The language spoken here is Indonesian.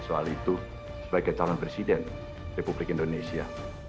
soal itu sebagai calon presiden republik indonesia